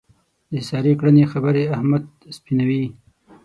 د سارې کړنې خبرې احمد سپینوي.